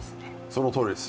そのとおりです。